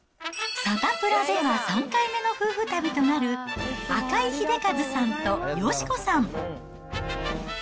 サタプラでは３回目の夫婦旅となる、赤井英和さんと佳子さん。